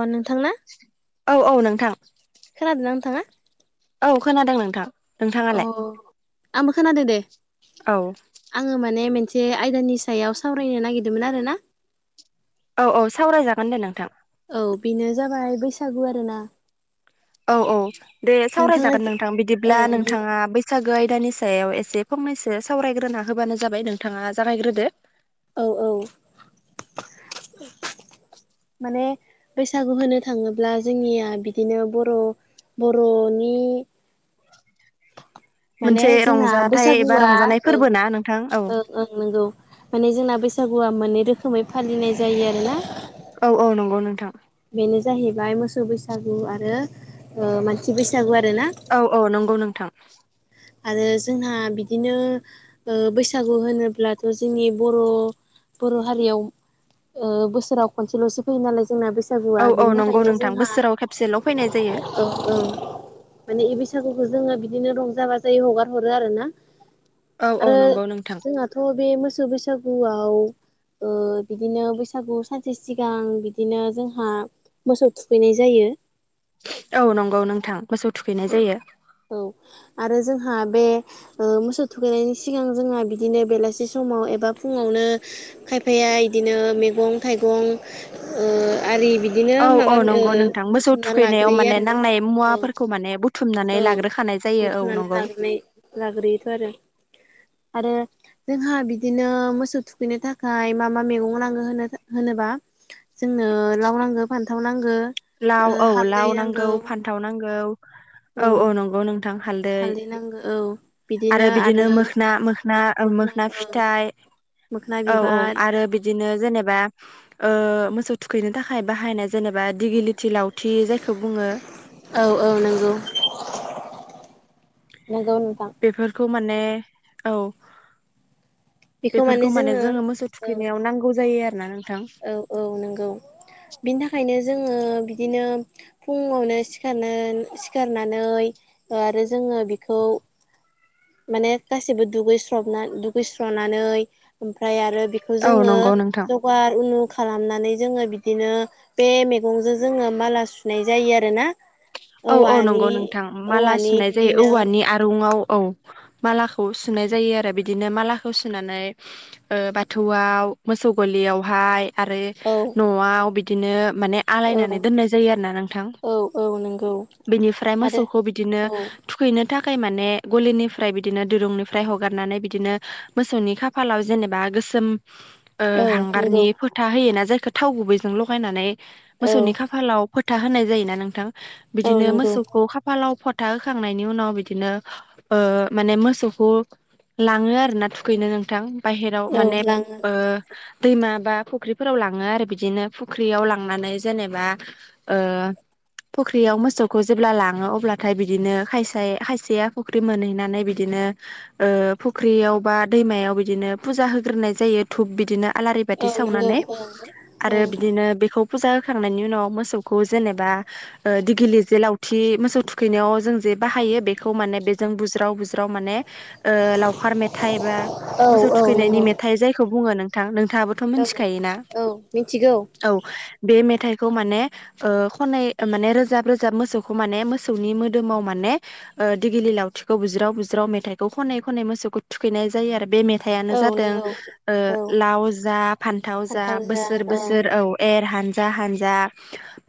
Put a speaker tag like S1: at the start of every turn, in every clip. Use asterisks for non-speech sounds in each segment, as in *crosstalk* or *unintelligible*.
S1: अ नोंथांना?
S2: औ औ नोंथां।
S1: खोनादों नोंथाङा?
S2: औ खोनादों नोंथां। नोंथाङालाय
S1: अ आंबो खोनादो दे।
S2: औ
S1: आङो माने मोनसे आयदानि सायाव सावरायनो नागिरदोंमोन आरोना।
S2: औ-औ सावरायजागोन दे नोंथां
S1: औ बेनो जाबाय बैसागु आरोना।
S2: औ औ दे
S1: नोंथाङा
S2: सावरायजागोन नोंथां
S1: औ
S2: बिदिब्ला
S1: नों
S2: नोंथाङा बे सागो आयदानि सायाव एसे फंनैसो सावरायग्रोना होबानो जाबाय नोंथाङा जागायग्रोदो।
S1: औ औ।
S2: *inaudible*
S1: माने बैसागु होनो थाङोब्ला जोंनिया बिदिनो बर' बर'नि माने
S2: मोनसे
S1: जोंना
S2: रंजाथाइ एबा
S1: बैसागुआ
S2: रंजानाय फोरबो ना नोंथां औ
S1: नंगौ माने जोंना बैसागुआ मोननै रोखोमै फालिनाय जायो आरोना
S2: औ-औ नंगौ नोंथां।
S1: बेनो जाहैबाय मोसौ बैसागु आरो मानसि बैसागु आरोना।
S2: औ-औ नंगौ नोंथां।
S1: आरो जोंहा बिदिनो बैसागु होनोब्लाथ' जोंनि बर' बर' हारियाव बोसोराव खनसेल'सो फैयो नालाय जोंना बे बैसागुआ
S2: औ औ
S1: बिनि
S2: नंगौ
S1: थाखायनो
S2: नोंथां
S1: जोंहा
S2: बोसोराव खेबसेल' फैनाय जायो
S1: औ औ माने बैसागुखौ जोङो बिदिनो रंजा बाजायै हगार हरो आरोना
S2: औ औ
S1: आरो
S2: नंगौ नोंथां
S1: जोंहाथ' बे मोसौ बैसागुआव बिदिनो बैसागु सानसे सिगां बिदिनो जोंहा मोसौ थुखैनाय जायो
S2: औ नंगौ नोंथां मोसौ थुखैनाय जायो
S1: औ आरो जोंहा बे मोसौ थुखैनायनि सिगां जोंहा बिदिनो बेलासि समाव एबा फुङावनो खायफाया बिदिनो मैगं थाइगं आरि बिदि बिदिनो
S2: औ औ
S1: माबा
S2: नंगौ नोंथां मोसौ
S1: बुथुमना
S2: थुखैनायाव
S1: लाग्रोयो
S2: माने
S1: आरोना
S2: नांनाय
S1: औ
S2: मुवाफोरखौ माने बुथुम
S1: औ बुथुमनानै लाग्रो लाग्रोयोथ' आरो आरो जोंहा बिदिनो मोसौ थुखैनो थाखाय मा-मा मैगं नांगौ होन होनोबा जोंनो लाव नांगो फानथाव नांगो
S2: लाव
S1: ओ
S2: औ
S1: हालदै
S2: लाव नांगौ फान्थाव नांगौ औ-औ नंगौ नोंथां हालदै
S1: नंगौ औ
S2: आरो बिदिनो मोखोन मोखोन
S1: मोखोना
S2: मोखोन
S1: ओं
S2: फिथाइ
S1: मोखोना
S2: औ-औ
S1: बिबार
S2: आरो बिदि बिदिनो जेनेबा मोसौ थुखैनो थाखाय बाहायनाय जेनेबा दिगि लथि लावथि जायखौ बुङो
S1: औ-औ नंगौ नंगौ नोंथां।
S2: बेफोरखौ माने औ बेफोरखौ माने जोङो मोसौ थुखैनायाव नांगौ जायो आरो ना नोंथां।
S1: औ-औ नंगौ बिनि थाखायनो जोङो बिदिनो फुङावनो सिखारनो सिखारनानै आरो जोङो बिखौ माने गासैबो दुगैस्र दुगैस्रनानै ओमफ्राय आरो खौ
S2: औ
S1: जोङो
S2: नंगौ नोंथां
S1: जगार उनु खालामनानै जोङो बिदिनो बे मैगंजों जोङो माला सुनाय जायो आरोना
S2: औ-औ
S1: औवानि
S2: नंगौ नोंथां माला
S1: औवानि
S2: सुनाय जायो
S1: बिदिनो
S2: औवानि आरो आरुंआव औ मालाखौ सुनाय जायो आरो बिदिनो मालाखौ सुनानै बाथौआव मोसौ गलियावहाय आरो
S1: औ
S2: न'आव बिदिनो माने आलायनानै दोननाय जायो आरो ना नोंथां
S1: औ-औ नंगौ
S2: बिनिफ्राय
S1: आरो
S2: मोसौखौ बिदिनो
S1: औ
S2: थुखैनो थाखाय माने गलिनिफ्राय बिदिनो दिरुंनिफ्राय हगारनानै बिदिनो मोसौनि खाफालाव जेनेबा गोसोम
S1: *unintelligible* नंगौ
S2: हांगारनि फोथा होयोना जायखौ थाव गुबैजों लगायनानै
S1: औ
S2: मोसौनि खाफालाव फोथा होनाय जायोना नोंथां
S1: औ
S2: बिदिनो
S1: नंगौ
S2: मोसौखौ खाफालाव फथा होखांनायनि उनाव बिदिनो माने मोसौखौ लाङो आरो ना थुखैनो नोंथां बाहहेराव
S1: औ
S2: माने
S1: लाङो
S2: दैमा बा फुख्रिफोराव लाङो आरो बिदिनो फुख्रियाव लांनानै जेनेबा *unintelligible* फुख्रियाव मोसौखौ जेब्ला लाङो अब्लाथाय बिदिनो खायसे खायसेया फुख्रि मोनहैनानै बिदिनो फुख्रियाव बा दैमायाव बिदिनो फुजा होग्रोनाय जायो धुब बिदिनो आलारि बाथि
S1: औ नंगौ
S2: सावनानै
S1: ओं
S2: आरो
S1: ओं
S2: बिदिनो बेखौ फुजा होखांनायनि उनाव मोसौखौ जेनेबा दिगिलि जे लावथि मोसौ थुखैनायाव जों जे बाहायो बेखौ माने बेजों बुज्राव बुज्राव माने लावखार मेथाइ बा मोसौ
S1: औ औ
S2: थुखैनायनि
S1: नंगौ
S2: मेथाइ जायखौ बुङो नोंथां नोंथाङाबो
S1: औ
S2: मिथिखायोना
S1: औ मिथिगौ
S2: औ बे मेथाइखौ माने खनाय मान रोजाब रोजाब मोसौखौ माने मोसौनि मोदोमाव माने दिगिलि लावथिखौ बुज्राव बुज्राव मेथाइखौ खनै खनै मोसौखौ थुखैनाय जायो आरो बे मेथाइ हथायानो
S1: औ
S2: जादों
S1: नंगौ औ
S2: लाव जा फान्थाव जा बोसोर बोसोर औ एर हानजा हानजा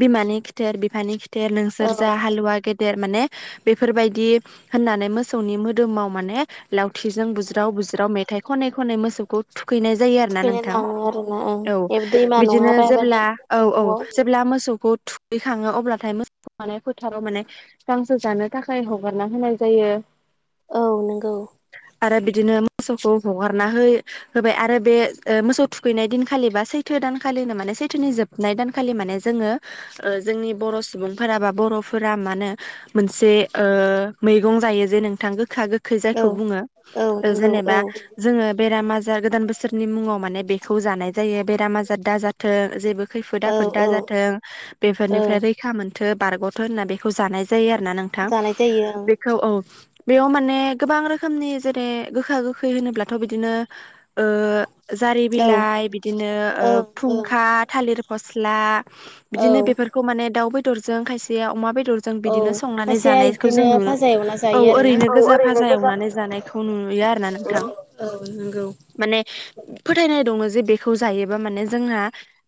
S2: बिमानि खिथेर बिफानि खिथेर
S1: औ
S2: नोंसोर जा हालुवा गेदेर गिदेर माने बेफोरबायदि होननानै मोसौनि मोदोमाव माने लावथिजों बुज्राव बुज्राव मेथाइ खनै खनै मोसौखौ थुखैनाय जायो आरो ना
S1: थुखैनो
S2: नोंथां
S1: लाङो आरोना ओं
S2: औ
S1: ए दैमा नङाबा
S2: बिदिनो
S1: बेबादि
S2: जेब्ला औ औ
S1: दंग'आव
S2: जेब्ला मोसौखौ दैखाङो अब्लाथाय मोसौखौ माने फोथाराव माने बिफांसो जानो थाखाय हगारना होनाय जायो
S1: औ नंगौ
S2: आरो बिदिनो मोसौखौ हगारना होयो होबाय आरो बे मोसौ थुखैनाय दिनखालि बा सैथो दानखालिनो माने सैथोनि जोब हाबनाय दानखालि माने जोङो जोंनि बर' सुबुंफोरा बा बर'फोरा मा होनो मोनसे मैगं जायो जे नोंथां गोखा गोखा खै
S1: औ
S2: जायखौ बुङो
S1: औ नंगौ औ
S2: जेनेबा जोङो बेराम आजार गोदान बोसोरनि मुङाव माने बेखौ जानाय जायो बेराम आजार दाजाथों जेबो खैफोदा
S1: औ
S2: फोदा
S1: औ
S2: जाथों
S1: ओं
S2: बेफोरनिफ्राय खा मोनथो बारग'थ होनना बेखौ जानाय जायो आरोोना नोंथां
S1: जानाय जायो
S2: औ औ बेयाव माने गोबां रोखोमनि जेरै गोखा गोखै होनोब्लाथ' बिदिनो जारि
S1: ओं
S2: बिलाइ बिदिनो
S1: औ ओं
S2: फुंखा थालिर फस्ला बिदिनो
S1: ओं औ
S2: बेफोरखौ माने दाउ बेदरजों खायसे अमा बेदरजों जों
S1: औ
S2: बिदिनो संनानै
S1: खायसेया
S2: जानायखौ जों
S1: इदिनो
S2: नुनो
S1: फाजा एवना
S2: औ
S1: जायो आरोना
S2: ओरैनो गोजा भाजा एवनानै जानायखौ खौ नुयो आरो ना नोंथां
S1: औ नंगौ।
S2: माने फोथायनाय दङ जे बेखौ जायोबा माने जोंहा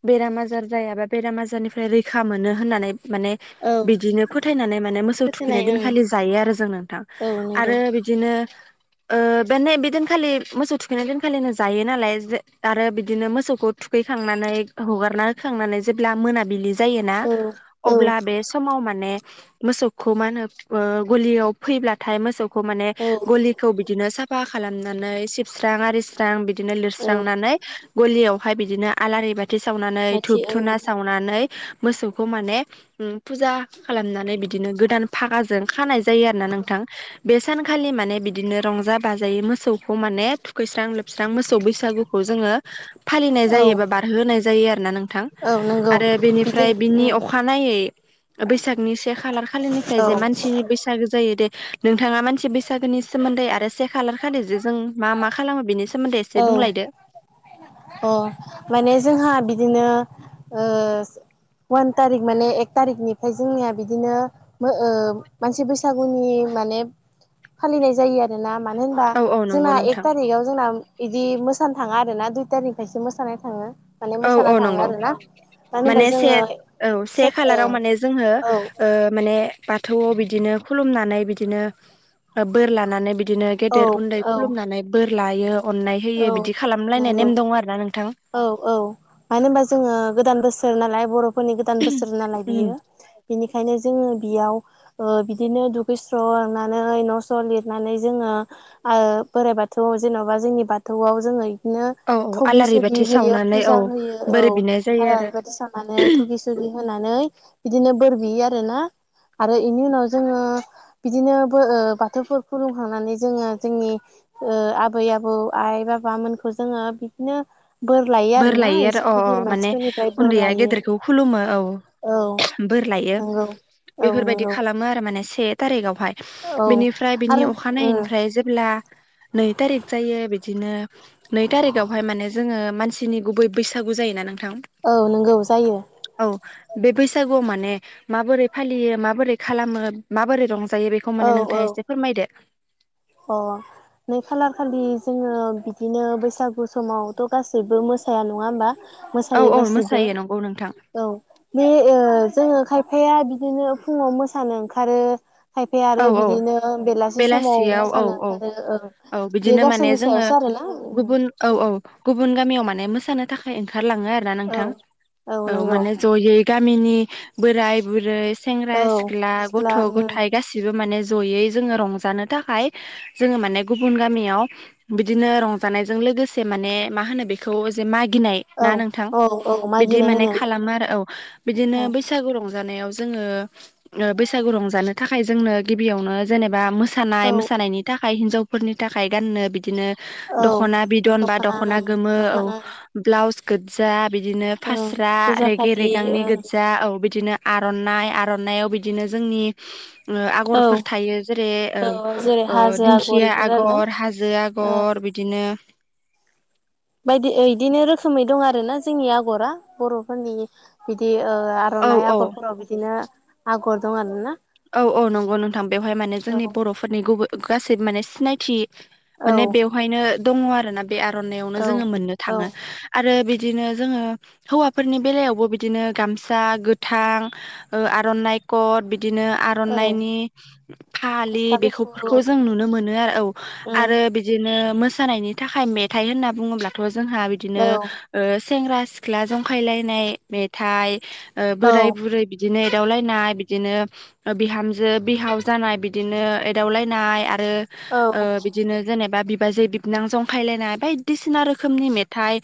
S2: बेराम आजार जायाबा बेराम आजारनिफ्राय रैखा बिखा मोनो होननानै माने
S1: औ
S2: बिदिनो फोथायनानै माने मोसौ
S1: फोथायनाय
S2: थुखैनाय दिनखालि जायो आरो जों नोंथां
S1: ओं औ नंगौ
S2: आरो बि बिदिनो बे बिदिनखालि मोसौ थुखैनाय दिनखालिनो जायो नालाय आरो बिदिनो मोसौखौ थुखैखांनानै हगारना होखांनानै जेब्ला मोनाबिलि जायोना
S1: औ औ
S2: अब्ला बे समाव माने मोसौखौ मा होनो गलियाव फैब्लाथाय मोसौ माने
S1: औ
S2: गलिखौ बिदिनो साफानानै सिबस्रां आरि्रां बि बिदिनो
S1: औ
S2: लिरस्रांनानै गलियावहाय बिदिनो आलारि बाथि सावनानै
S1: माथि
S2: धुब
S1: औ
S2: धुना साव नानै मोसौखौ माने फुजा खालामनानै बिदिनो गोदान फागाजों खानाय जायो आरो ना नोंथां बे सानखालि माने बिदिनो रंजा बाजायै मोसौखौ माने थुखैस्रां लोबस्रां मोसौ बैसागु जोङो फालिनाय
S1: औ
S2: जायो एबा बारहो होनाय जायो आरोना नोंथां
S1: औ नंगौ
S2: आरो बेनि ओमफ्राय
S1: बिदिनो
S2: बिनि
S1: उम
S2: अखानायै बैसागनि से खालार खालिनिफ्राय
S1: औ
S2: जे मानसिनि बैसो बैसागो जायो दे नोंथाङा मानसि बैसागोनि सोमोन्दै आरो से खालार खालि जे जों मा मा खालामो बेनि सोमोन्दै एसे बुंलायदो
S1: अ माने जोंहा बिदिनो वान तारिक माने एक तारिकनिफ्राय जोंनिया बिदिनो मानसि बैसागुनि माने फालिनाय जायो आरो। आरोना मानो होनबा
S2: औ औ नंगौ
S1: जोंना एक
S2: नोंथां
S1: तारिखआव जोंना बिदि मोसानो थाङा आरो ना दुइ थारिखखायसो मोसानाय थाङो माने
S2: औ औ
S1: मोसानो थाङो
S2: नंगौ
S1: आरो ना।
S2: माने से औ से खालाराव माने जोङो
S1: औ
S2: माने बाथौआव बिदिनो खुलुमनानै बिदिनो बोर लानानै बिदिनो
S1: औ
S2: गेदेर उन्दै
S1: औ
S2: खुलुमनानै बोर लायो अननाय
S1: औ
S2: होयो बिदि खालामलायनाय
S1: नंगौ
S2: नेम दङ आरो ना नोंथां।
S1: औ औ मानो होनबा जोङो गोदान बोसोर नालाय बर' फोरनि गोदान बोसोर नालाय
S2: उम
S1: बियो बेनिखायनो जोङो बियाव बिदिनो दुखैस्र' लांनानै न'स्र' लिरनानै जोङो आरो बोराइ बाथौआव जेन'बा जोंनि बाथौआव जोङो बिदिनो
S2: औ औ
S1: थगि
S2: आलारि बाथ
S1: सगि होयो फुजा होयो औ आ
S2: जायो आरो
S1: ओरैबायदि साननानै सि होनानै बिदिनो बोर बियो आरोना आरो बेनि उनाव जोङो बिदिनो बाथौ खुलुमखांनानै जोङो जोंनि आबै आबौ आइ बाबामोनखौ जोङो बिदिनो बोर लायो
S2: बोर
S1: आरोना
S2: लायो आरो
S1: एसे
S2: अ अ
S1: गिदिर
S2: माने
S1: मानसिफोरनिफ्राय बोर
S2: उन्दैया
S1: लायो
S2: गेदेरखौ खुलुमो। औ
S1: औ
S2: बोर लायो
S1: नंगौ औ
S2: बेफोरबायदि
S1: नंगौ
S2: खालाम आरो से थहाय
S1: औ
S2: बिनिफ्राय बिनि
S1: आरो उम
S2: अखानायैनिफ्राय जेब्ला नै थारिख जायो बिदिनो नै थारिखावहाय माने जोङो मानसि सिनि गुबै बैसागु जायो ना नोंथां?
S1: औ नंगौ जायो।
S2: औ बे बैसागुआव माने माबोरै फालियो माबोरै खालामो माबोरै रंजायो। बे खौ
S1: औ
S2: माने
S1: औ
S2: नोंथाङा एसे फोरमायदो।
S1: अ नै खालार खालि जोङो बिदिनो बैसागु समाव थ' गासैबो मोसाया नङा होमबा
S2: औ
S1: मोसायो
S2: औ
S1: गाससिबो
S2: मोसायो नंगौ नोंथां
S1: औ बे जोङो खायफाया बिदिनो फुङाव मोसानो ओंखारो खायफाया आरो
S2: औ औ
S1: बिदिनो बेलासि समाव
S2: बेलासियाव औ
S1: सानो
S2: औ
S1: ओंखारो
S2: औ
S1: बेयो
S2: बिदिनो माने
S1: गावसोरनि
S2: जोङो
S1: सायावसो आरो ना।
S2: गुबुन औ औ गुबुन गामियाव माने मोसानो थाखाय ओंखारलाङो आरो ना
S1: औ
S2: नोंथां औ माने ज'यै गामिनि बोराय बुरै सेंग्रा
S1: औ
S2: सिख्ला गथ' गथाइ गासिबो माने जयै जोङो रंजानो थाखाय जोङो माने गुबुन गामियाव बिदिनो रंजानायजों लोगोसे माने मा होनो बेखौ जे मागिनाय ना
S1: औ
S2: नोंथां
S1: औ औ
S2: बिदि
S1: मागिनाय
S2: माने
S1: होनो
S2: खालामो आरो औ बिदिनो
S1: औ
S2: बै सागु रंजानायाव जोङो बैसागु रंजानो थाखाय जोंनो गिबियावनो जेनेबा मो थानाय
S1: औ
S2: मोसानायनि थाखाय हिनजावफोरनि थाखाय गाननो बिदिनो
S1: औ
S2: दख'ना बिदन बा दख'ना
S1: ओं
S2: गोमो औ
S1: दख'ना ओं
S2: ब्लाउस गोदजा बिदिनो
S1: ओं
S2: फास्रा
S1: गोजा
S2: रेगे
S1: फालि
S2: रेगांनि
S1: ओं
S2: गोदजा औ बिदिनो आर'ननाय आर'ननायाव बिदिनो जोंनि ओ
S1: औ
S2: आगरफोर थायो। जेरे
S1: औ जेरै
S2: ओ
S1: हाजो आगर
S2: दिंखिया
S1: इफोर आरोना
S2: आगर हाजो
S1: ओं
S2: आगर बिदिनो
S1: बायदि एदिनो रोखोमै दं आरो ना जोंनि आगरा बर'फोरनि बिदि ओ आ
S2: औ
S1: र'नाइ
S2: औ
S1: आग'रफोराव बिदिनो आगर दं आरोना
S2: औ औ नंगौ नोंथां बेवहाय माने
S1: औ
S2: जोंनि बर'फोरनि गुबै गासै माने सिनायथि
S1: औ
S2: माने बेवहायनो दङ आरोना बे आर'नाय आवनो
S1: औ
S2: जोङो मोननो
S1: औ
S2: थाङो आरो बिदिनो जोङो हौवाफोरनि बेलायावबो बिदिनो गामसा गोथां आर'नाइ कद बिदिनो
S1: औ
S2: आर'नाइनि फालि
S1: गस्ला
S2: बेखौ फोरखौ
S1: गुफुर
S2: जों नुनो मोनो आरो औ
S1: उम
S2: आरो बि बिदिनो मोसानायनि थाखाय मेथाइ होनना बुङोब्लाथ' जोंहा बिदिनो
S1: औ
S2: ओ सेंग्रा सिख्ला जंखायलायनाय मेथाइ ओ
S1: औ
S2: बोराय बुरै बिद दिनो एदावलायनाय बिदिनो बिहामजो बिहाव जानाय बिदिनो एदावलायनाय आरो
S1: औ
S2: ओ बि बिदिनो जेनेबा बिबाजै बिबनां जंखायलायनाय बायदिसिना रोखोमनि मेथाइ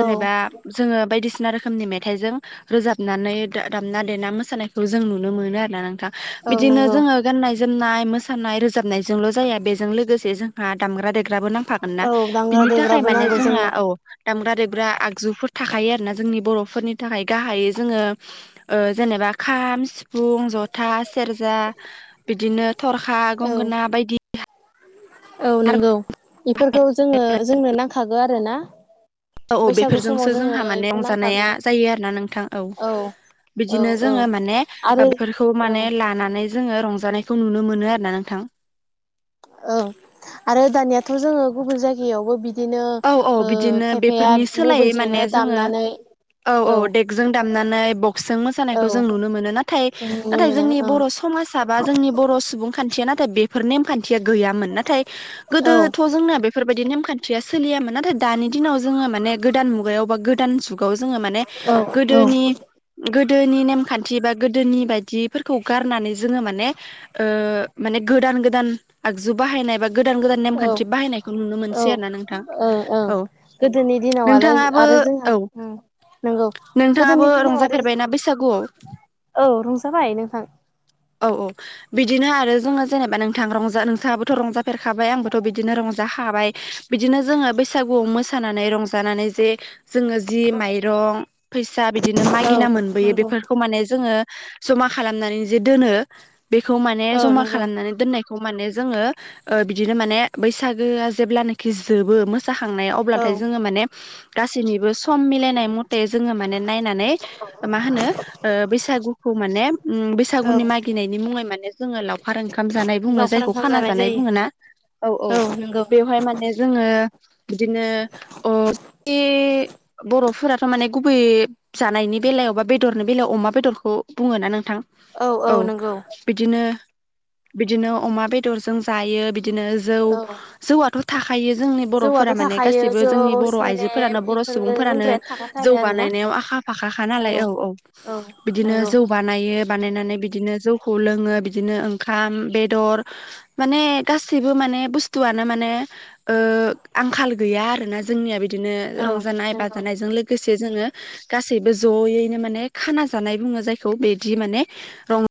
S1: औ
S2: जोङो बायदिसिना रोखोमनि मेथाइजों रोजाबनानै दा-दामना देना मोसानायखौ जों नुनो मोनो आरोना नोंथां
S1: औ
S2: बिदिनो
S1: नंगौ
S2: जोङो गाननाय जोमनाय मोसानाय रोजाबनायजोंल' जाया बेजों लोगोसे जोंहा दामग्रा देग्राबो नांफा मोनना
S1: औ दामग्रा
S2: बिनि थाखाय
S1: देग्राबो
S2: माने
S1: नांगौ
S2: जोंङा
S1: जोंनो
S2: औ दामग्रा देग्रा आगजुफोर थाखायो आरो ना जोंनि बर'फोरनि थाखाय गाहायै जोङो ओ जेनेबा खाम सिफुं था सेरजा बिदिनो थरखा
S1: औ
S2: गंगोना बायदि
S1: औ नंगौ इफोरखौ जोङो जोंनो नांखागो आरो ना
S2: औ औ बेफोरजोंसो जोंहा माने रंजानाया
S1: नांखागौ
S2: जायो आरो ना नोंथां औ
S1: औ
S2: बिदिनो
S1: औ
S2: जोङो माने
S1: आरो
S2: ओ बेफोर खौ
S1: औ
S2: माने लानानै जोङो रंजानायखौ नुनो मोनो आरोना नोंथां।
S1: औ आरो दानियाथ' जोङो गुबुन जायगायावबो बि दिनो
S2: औ औ
S1: ओ
S2: बिदिनो
S1: खायफाया
S2: बेफोरनि सोलायै माने
S1: मबेलजोंनो
S2: जोङो
S1: दामनानै
S2: औ औ देगजों दामनानै बक्सजों
S1: औ
S2: मोसानायखौ जों नुनो मोनो नाथाय
S1: जों नुनो
S2: नाथाय
S1: मोनो
S2: जोंनि
S1: ओं
S2: बर' समाज थाबा जोंनि बर' सुबुंखान थिया नाथाय बेफोर नेम खान्थिया गैयामोन नाथाय
S1: औ
S2: गोदोथ' जोंनिया बेफोरबायदि नेमन्थियास सोलियामोन नाथाय दानि दिनाव जोङो माने गोदान मुगायाव बा गोदान जुग खौ जोङो माने
S1: औ
S2: गोदोनि गोदोनि नेमखान्थि बा गोदोनि बायदिफोरखौ गारनानै जोङो माने ओ माने गोदान गोदान आगजु बाहायनाय बा गोदान गोदान
S1: औ
S2: नेमखान्थि बाहायनायखौ नुनो मोनसै आरो ना नों
S1: ओं ओं
S2: औ
S1: गोदोनि दिनाव आरो
S2: नोंथाङाबो
S1: आरो जोंहा
S2: औ
S1: उम नंगौ
S2: नोंथाङाबो
S1: गोदोनि दिनाव आरो
S2: रंजाफेरबायना बैसागुआव
S1: औ रंजाबाय नोंथां
S2: औ औ बिदिनो आरो जोङो जेनेबा नोंथां रंजा नोंथाङाबोथ' रंजाफेरखाबाय आंबोथ' बिदिनो रंजाखाबाय बिदिनो जोङो बैसागुआव मोसानानै रंजानानै जे जोङो जि माइरं फैसा बिदिनो
S1: औ
S2: मागिना मोनबोयो
S1: नंगौ
S2: बेफोर खौ माने जोंओ जमा खालामनानै जे दोनो बेखौ माने
S1: औ
S2: जमा
S1: नंगौ
S2: खालामनानै दोननायखौ माने जोङो ओ बिदिनो माने बैसागोआ जेब्लि नाखि जोबो मोस खांनाय
S1: औ
S2: अब्लाथाय जोङो माने गासैनिबो सम मिलायनाय मथे जोङो माने नायनानै मा होनो ओ बैसागुखौ माने उम बैसागुनि मागिनायनि मुङै माने जोङो लावखार ओंखाम जानाय बुङो
S1: लावखार
S2: जायखौ
S1: ओंखाम
S2: खाना जानाय
S1: जायो
S2: बुङो ना औ औ बेवहाय माने जोङो बिदिनो अ *unintelligible* बर'फोराथ' माने गुबै जानायनि बेलायावबा बेदरनि बेलायाव अमा बेदरखौ बुङोना नोंथां औ बिदिनो बिदिनो अमा बेदरजों जायो बिदिनो जौ
S1: औ
S2: जौआथ' थाख जोंनि
S1: जौआथ'
S2: बर'फोरा माने
S1: थाखायो
S2: गासिबो
S1: जौ
S2: जोंनि बर' आइजोफोरानो
S1: सेरेब
S2: बर'
S1: बेफोरो
S2: सुबुंफोरानो
S1: लोंग्रायानो
S2: जौ
S1: थाखाथारो आरोना
S2: बानायनायाव आखा - फाखा खा नालाय औ -औ
S1: औ
S2: बिदिनो
S1: नंगौ
S2: जौ बानायो बानायनानै बिदिनो जौखौ लोङो बिदिनो ओंखाम बेदर माने गासिबो माने बुस्थुआनो माने ओ आंखाल गैया आरोना जोंनिया बिदिनो
S1: औ
S2: रंजानाय
S1: नंगौ
S2: बाजानायजों लोगोसे जोङो गासैबो जयैनो माने खाना जानाय बुङो जायखौ बिदि माने रं